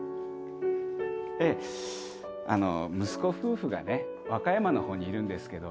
ええあの息子夫婦がね和歌山の方にいるんですけど